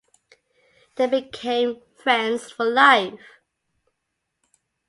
They became friends for life.